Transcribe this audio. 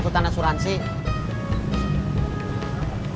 kita keluar klantot